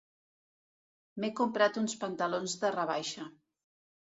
M'he comprat uns pantalons de rebaixa.